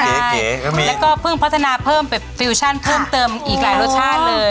เก๋ก็มีแล้วก็เพิ่งพัฒนาเพิ่มแบบฟิวชั่นเพิ่มเติมอีกหลายรสชาติเลย